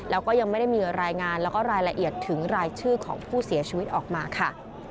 แล้วก็ยังไม่ได้มีรายงานแล้วก็รายละเอียดถึงรายชื่อของผู้เสียชีวิตออกมาค่ะ